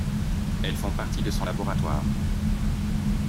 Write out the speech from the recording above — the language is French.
Elles font partie de son laboratoire.